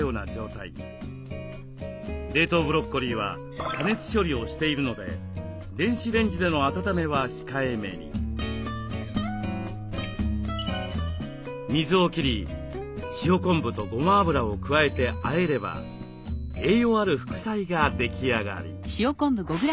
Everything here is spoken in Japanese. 冷凍ブロッコリーは加熱処理をしているので水を切り塩昆布とごま油を加えてあえれば栄養ある副菜が出来上がり。